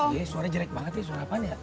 iya suara jelek banget ya suara apaan ya